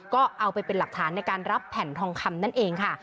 ก็เอาไปเป็นหลักฐานในการรับแผ่นทองคำนั่นเองค่ะ